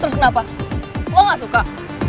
terus kenapa gue gak suka